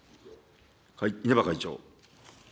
稲葉会長。